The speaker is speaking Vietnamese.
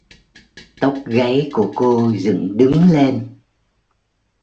Tóc gáy của cô dựng đứng lên